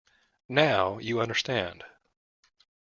Now, you understand.